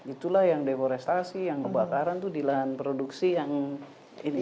itulah yang deforestasi yang kebakaran itu di lahan produksi yang ini